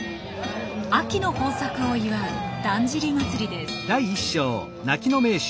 秋の豊作を祝うだんじり祭です。